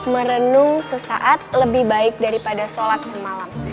merenung sesaat lebih baik daripada sholat semalam